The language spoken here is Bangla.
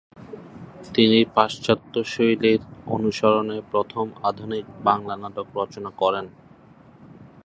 তিনি পাশ্চাত্য শৈলীর অনুসরণে প্রথম আধুনিক বাংলা নাটক রচনা করেন।